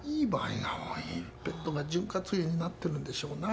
ペットが潤滑油になってるんでしょうな。